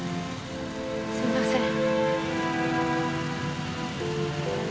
すいません。